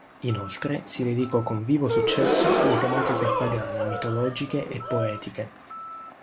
Inoltre si dedicò con vivo successo alle tematiche pagane, mitologiche e poetiche.